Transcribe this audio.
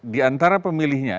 di antara pemilihnya